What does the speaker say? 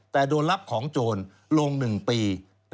แต่โดนรับของโจรลงหนึ่งปี